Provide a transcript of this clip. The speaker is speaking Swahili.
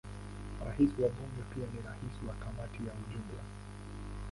Rais wa Bunge pia ni rais wa Kamati kwa ujumla.